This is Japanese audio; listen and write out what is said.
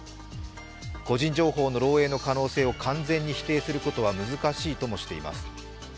個人情報の漏えいの可能性を完全に否定することは難しいともしています。